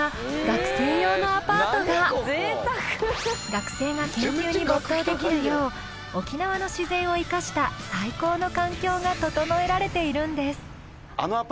学生が研究に没頭できるよう沖縄の自然を生かした最高の環境が整えられているんです。